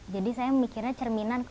jadi saya mikirnya cerminan